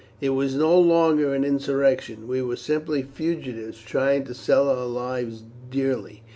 It was no longer an insurrection; we were simply fugitives trying to sell our lives dearly.